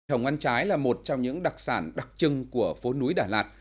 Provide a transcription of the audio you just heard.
hồng ăn trái là một trong những đặc sản đặc trưng của phố núi đà lạt